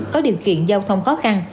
có điều kiện giao thông khó khăn